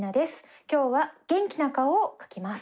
きょうはげんきな顔をかきます。